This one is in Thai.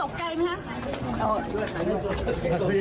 โอ้มายก็อดตกใจมั้ยคะ